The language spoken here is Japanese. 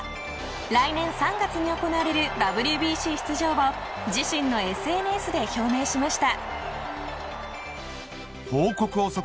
来年３月に行われるＷＢＣ出場を自身のＳＮＳで表明しました。